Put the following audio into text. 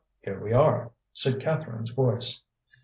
here we are!" said Catherine's voice.